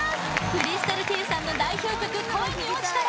ＣｒｙｓｔａｌＫａｙさんの代表曲「恋におちたら」